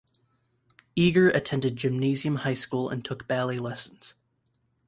Eger attended gymnasium high school and took ballet lessons.